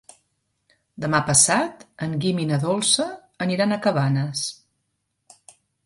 Demà passat en Guim i na Dolça aniran a Cabanes.